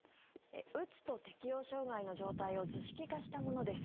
うつと適応障害の状態を図式化したものです。